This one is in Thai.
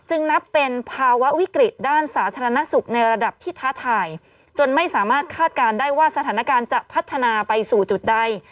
นับเป็นภาวะวิกฤตด้านสาธารณสุขในระดับที่ท้าทายจนไม่สามารถคาดการณ์ได้ว่าสถานการณ์จะพัฒนาไปสู่จุดใด